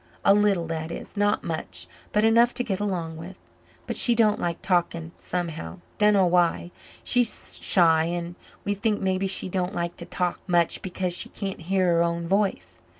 "A little, that is not much, but enough to get along with. But she don't like talking somehow dunno why. She's shy and we think maybe she don't like to talk much because she can't hear her own voice.